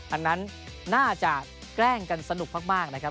อันนั้นน่าจะแกล้งกันสนุกมากนะครับ